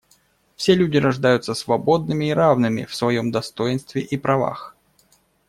Все люди рождаются свободными и равными в своем достоинстве и правах.